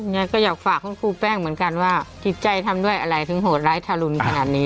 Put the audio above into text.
ไม่งั้นก็อยากฝากคุณครูแป้งเหมือนกันว่าทิศใจทำด้วยอะไรถึงโหดร้ายธรรมนี่